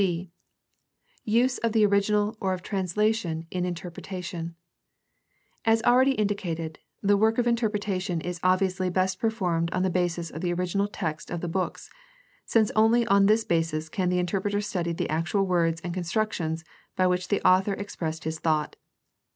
d) Use of the original or of translation in interpretation. — As already indicated, the work of interpretation is obviously best performed on the basis of the original text of the books, since only on this basis can the interpreter study the actual words and constructions by which the author expressed his thought.